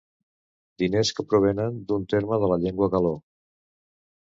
Diners que provenen d'un terme de la llengua caló.